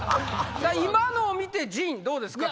今のを見て陣どうですか？